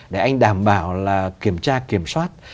để anh đảm bảo là kiểm tra kiểm soát